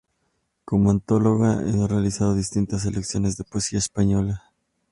Como antólogo ha realizado distintas selecciones de poesía española.